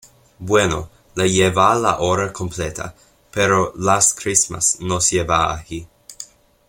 Bueno, le lleva la hora completa, pero "Last Christmas" nos lleva ahí.